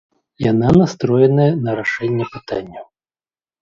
Яна настроеная на рашэнне пытанняў.